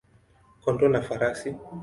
kondoo na farasi.